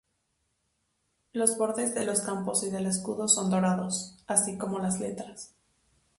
Los bordes de los campos y del escudo son dorados, así como las letras.